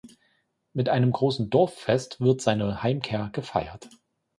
Mit einem großen Dorffest wird seine Heimkehr gefeiert.